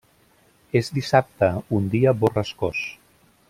És dissabte, un dia borrascós.